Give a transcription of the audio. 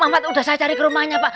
mamat udah saya cari kerumahnya pak